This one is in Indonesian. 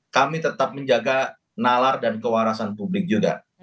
kami tetap menjaga nalar dan kewarasan publik juga